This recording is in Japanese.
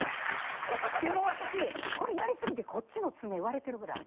もう私これやり過ぎてこっちの爪割れてるぐらい。